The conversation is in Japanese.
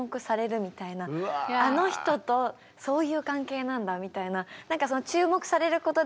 あの人とそういう関係なんだみたいな。